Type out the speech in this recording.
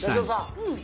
うん。